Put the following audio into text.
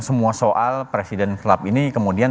semua soal presiden club ini kemudian